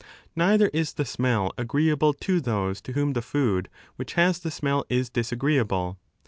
Neither is the smell agreeable to those to whom the food which has the smell is disagreeable.